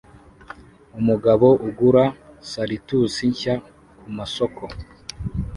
Umugabo ugura salitusi nshya kumasoko